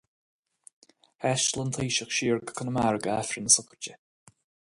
Thaistil an Taoiseach siar go Conamara d'aifreann na sochraide.